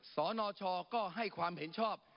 สนชก็ให้ความเห็นชอบ